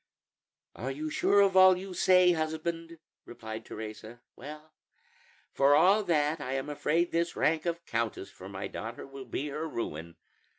"Are you sure of all you say, husband?" replied Teresa. "Well, for all that, I am afraid this rank of countess for my daughter will be her ruin.